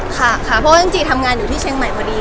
ค่ะค่ะเพราะว่าจริงทำงานอยู่ที่เชียงใหม่พอดี